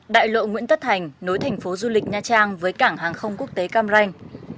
đại lộ nguyễn tất thành nối thành phố du lịch nha trang với cảng hàng không quốc tế cam ranh